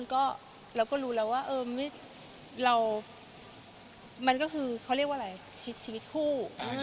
ก็เราก็รู้แล้วว่าเรามันก็คือเขาเรียกว่าอะไรชีวิตคู่